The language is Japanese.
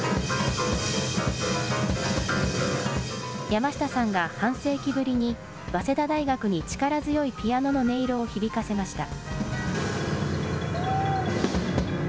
山下さんが、半世紀ぶりに早稲田大学に力強いピアノの音色を響かせました。